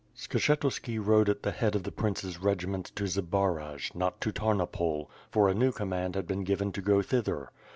Skshetuski rode at the head of the prince's regiments to Zbaraj, not to Tamopol; for a new command had been given to go thither.